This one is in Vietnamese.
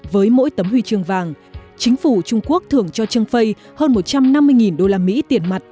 với mỗi tấm huy trường vàng chính phủ trung quốc thường cho trương phây hơn một trăm năm mươi đô la mỹ tiền mặt